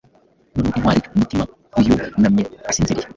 Noneho intwari-umutima wyunamye asinziriye